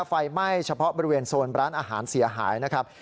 ไฟไหม้เฉพาะบริเวณโซนร้านอาหารเสียหายนะครับ